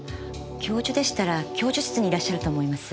教授でしたら教授室にいらっしゃると思います。